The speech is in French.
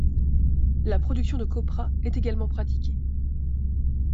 La production de coprah est également pratiquée.